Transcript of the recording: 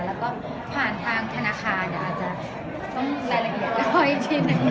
แล้วก็ผ่านทางธนาคารอาจจะต้องรายละเอียดสักข้ออีกทีหนึ่ง